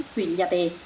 huyện nhà bè